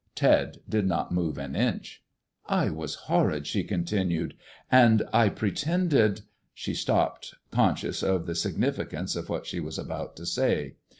Ted did not move an inch. "I was horrid," she continued, "and I pretended " She stopped, conscious of the significance of what she was about to say.